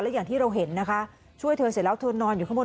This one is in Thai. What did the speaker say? อย่างที่เราเห็นนะคะช่วยเธอเสร็จแล้วเธอนอนอยู่ข้างบน